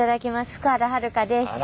福原遥です。